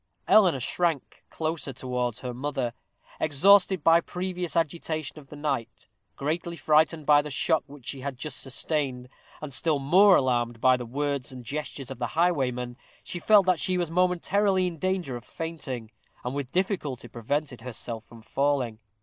Eleanor shrank closer towards her mother. Exhausted by previous agitation of the night, greatly frightened by the shock which she had just sustained, and still more alarmed by the words and gestures of the highwayman, she felt that she was momentarily in danger of fainting, and with difficulty prevented herself from falling.